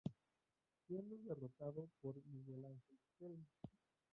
Siendo derrotado por Migue Ángel Riquelme.